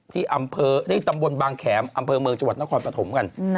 ที่อำเภอตำบลบางแขมอำเภอเมืองจังหวัดนครปฐมกัน